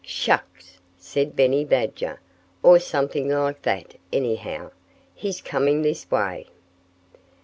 "Shucks!" said Benny Badger or something like that, anyhow. "He's coming this way."